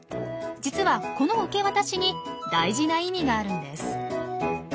実はこの受け渡しに大事な意味があるんです。